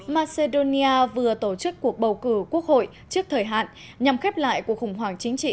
macedonia vừa tổ chức cuộc bầu cử quốc hội trước thời hạn nhằm khép lại cuộc khủng hoảng chính trị